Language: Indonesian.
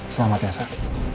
selamat ya sar